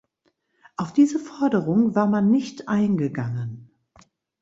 Auf diese Forderung war man nicht eingegangen.